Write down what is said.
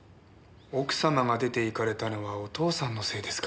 奥様が出て行かれたのはお父さんのせいですか。